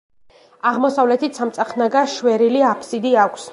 აღმოსავლეთით სამწახნაგა შვერილი აფსიდი აქვს.